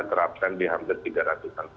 terapkan di hampir tiga ratus an